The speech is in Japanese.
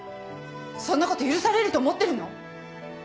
そんなこと許されると思ってるの？